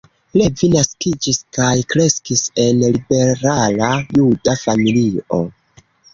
Levi naskiĝis kaj kreskis en liberala juda familio.